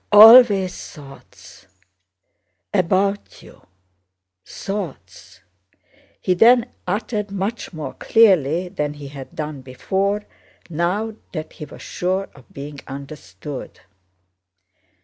"Always thoughts... about you... thoughts..." he then uttered much more clearly than he had done before, now that he was sure of being understood.